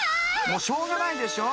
もうしょうがないでしょ！